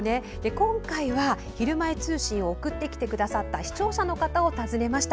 今回は、「ひるまえ通信」を送ってきてくださった視聴者の方を訪ねました。